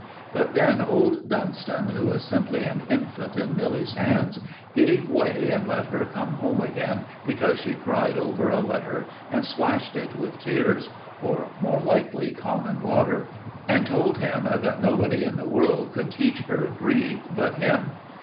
But then old Dunstan, who is simply an infant in Milly's hands, gave way and let her come home again because she cried over a letter and splashed it with tears, or more likely common water, and told him that nobody in the world could teach her Greek but him.